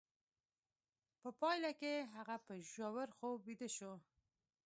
په پای کې هغه په ژور خوب ویده شو